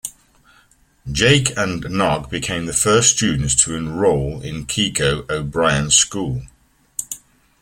Jake and Nog become the first students to enroll in Keiko O'Brien's school.